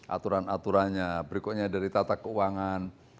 aturan aturannya berikutnya dari tata keuangan